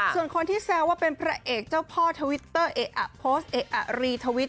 ส่วนคนที่แซวว่าเป็นพระเอกเจ้าพ่อทวิตเตอร์เอะอะโพสต์เอกอะรีทวิต